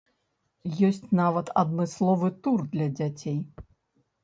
Ёсць нават адмысловы тур для дзяцей.